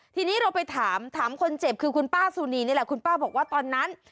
ทีนี้เราไปถามถามคนเจ็บคือคุณป้าสุนีนี่แหละคุณป้าบอกว่าตอนนั้น